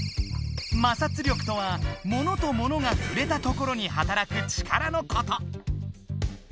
摩擦力とはものとものがふれたところにはたらく力のこと。